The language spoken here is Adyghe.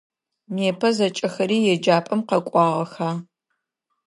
Непэ зэкӏэхэри еджапӏэм къэкӏуагъэха?